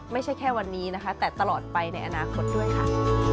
ไม่ใช่แค่วันนี้นะคะแต่ตลอดไปในอนาคตด้วยค่ะ